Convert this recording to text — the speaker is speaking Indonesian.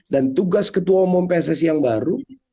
dan tugas ketua umum pssi yang baru